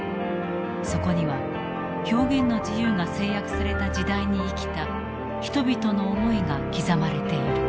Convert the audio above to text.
そこには表現の自由が制約された時代に生きた人々の思いが刻まれている。